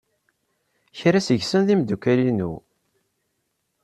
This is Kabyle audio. Kra seg-sen d imeddukal-inu.